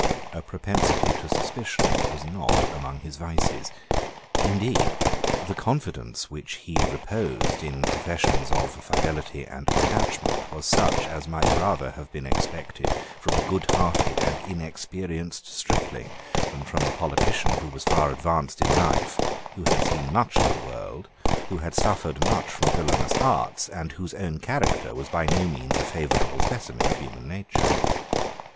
A propensity to suspicion was not among his vices. Indeed the confidence which he reposed in professions of fidelity and attachment was such as might rather have been expected from a goodhearted and inexperienced stripling than from a politician who was far advanced in life, who had seen much of the world, who had suffered much from villanous arts, and whose own character was by no means a favourable specimen of human nature.